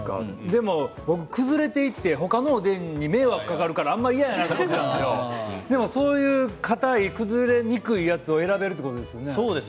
でも崩れていって他のおでんに迷惑をかけるから嫌やなと思っていたんですけれどそういうかたい崩れにくいやつを選べるということですね。